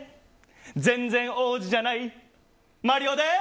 全然王子じゃない麻璃央です！